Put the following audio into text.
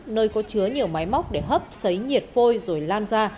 nơi có chứa nhiều máy móc để hấp xấy nhiệt phôi rồi lan ra